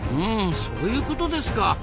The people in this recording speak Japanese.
うんそういうことですか。